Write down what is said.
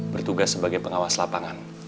bertugas sebagai pengawas lapangan